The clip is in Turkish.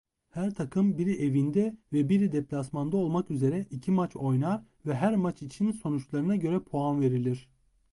Her takım biri evinde ve biri deplasmanda olmak üzere iki maç oynar ve her maç için sonuçlarına göre puan verilir.